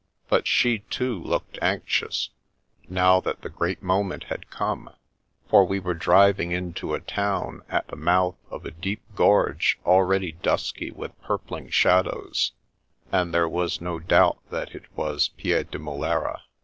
But she, too, looked anxious, now that the 74 The Princess Passes great moment had come, for we were driving into a town, at the mouth of a deep gorge already dusky with purpling shadows, and there was no doubt that it was Piedimulera.